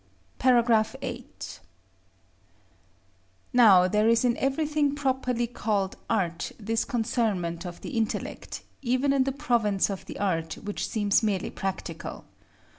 § VIII. Now there is in everything properly called art this concernment of the intellect, even in the province of the art which seems merely practical.